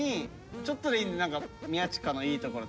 ちょっと僕宮近のいいところ。